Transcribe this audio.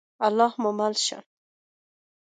الله ج مو مل شه.